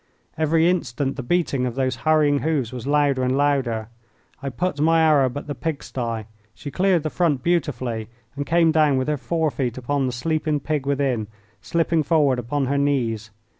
Every instant the beating of those hurrying hoofs was louder and louder. I put my Arab at the pig sty. She cleared the front beautifully and came down with her forefeet upon the sleeping pig within, slipping forward upon her knees.